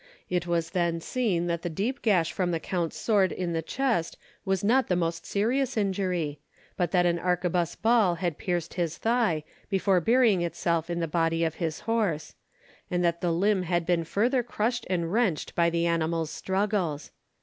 It was then seen that the deep gash from the count's sword in the chest was not the most serious injury, but that an arquebus ball had pierced his thigh, before burying itself in the body of his horse; and that the limb had been further crushed and wrenched by the animal's struggles.